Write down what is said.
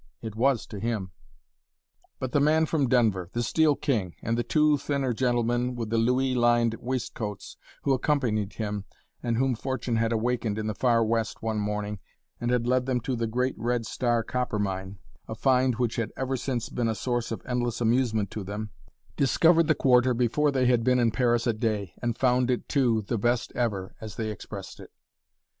It was to him. [Illustration: (crowded street market)] But the man from Denver, the "Steel King," and the two thinner gentlemen with the louis lined waistcoats who accompanied him and whom Fortune had awakened in the far West one morning and had led them to "The Great Red Star copper mine" a find which had ever since been a source of endless amusement to them discovered the Quarter before they had been in Paris a day, and found it, too, "the best ever," as they expressed it.